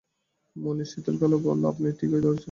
মুনির শীতল গলায় বলল, আপনি ঠিকই ধরেছেন।